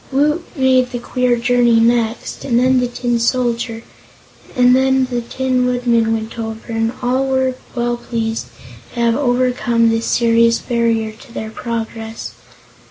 Woot made the queer journey next, and then the Tin Soldier and the Tin Woodman went over, and all were well pleased to have overcome this serious barrier to their progress.